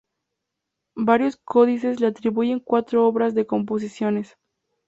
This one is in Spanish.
Varios códices le atribuyen cuatro obras de composiciones.